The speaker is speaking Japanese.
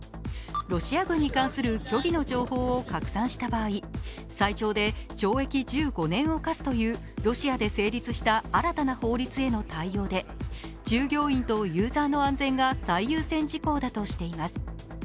ロシア軍に関する虚偽の情報を拡散した場合最長で懲役１５年を課すというロシアで成立した新たな法律への対応で従業員とユーザーの安全が最優先事項だとしています。